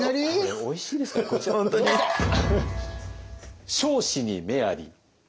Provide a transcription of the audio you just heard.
おいしいですからこちらどうぞ！